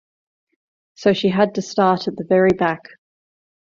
So she had to start at the very back.